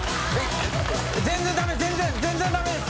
全然ダメ全然全然ダメです